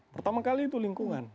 pertama kali itu lingkungan